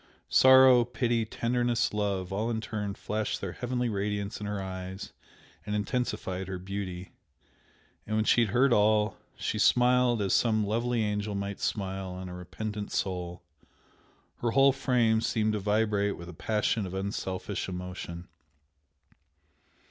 Sorrow, pity, tenderness, love, all in turn flashed their heavenly radiance in her eyes and intensified her beauty, and when she had heard all, she smiled as some lovely angel might smile on a repentant soul. Her whole frame seemed to vibrate with a passion of unselfish emotion.